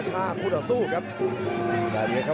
ส่วนหน้านั้นอยู่ที่เลด้านะครับ